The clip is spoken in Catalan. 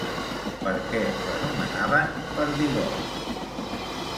Per què l'anomenaven "Perdigot"?